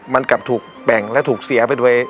มันกลับถูกแบ่งและถูกเสียไปโดย